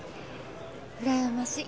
うらやましい。